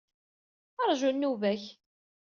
Rju nnuba-k.